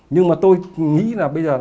nhưng mà tôi nghĩ là bây giờ